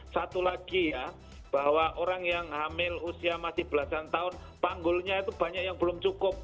satu lagi ya bahwa orang yang hamil usia masih belasan tahun panggulnya itu banyak yang belum cukup